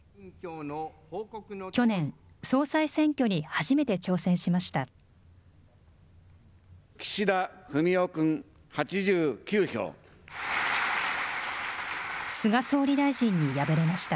去年、総裁選挙に初めて挑戦しました。